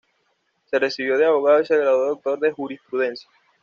Se recibió de abogado y se graduó de doctor en Jurisprudencia.